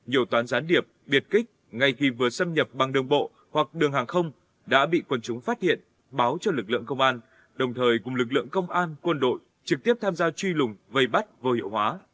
nhiều toán gián điệp biệt kích ngay khi vừa xâm nhập bằng đường bộ hoặc đường hàng không đã bị quần chúng phát hiện báo cho lực lượng công an đồng thời cùng lực lượng công an quân đội trực tiếp tham gia truy lùng vây bắt vô hiệu hóa